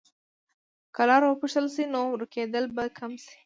که لاره وپوښتل شي، نو ورکېدل به کم شي.